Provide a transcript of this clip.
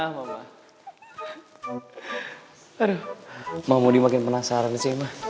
aduh mahmudi makin penasaran sih ma